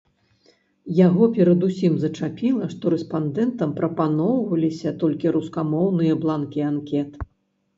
Яго перадусім зачапіла, што рэспандэнтам прапаноўваліся толькі расейскамоўныя бланкі анкет.